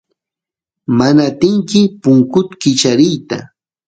mana atinki punkut kichariyta